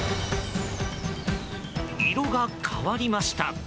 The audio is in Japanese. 色が変わりました。